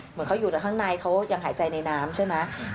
เหมือนเขาอยู่แล้วข้างในเขายังหายใจในน้ำใช่ไหม